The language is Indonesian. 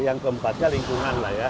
yang keempatnya lingkungan lah ya